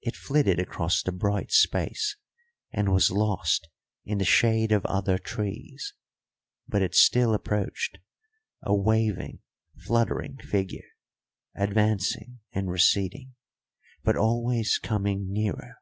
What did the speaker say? It flitted across the bright space and was lost in the shade of other trees; but it still approached, a waving, fluttering figure, advancing and receding, but always coming nearer.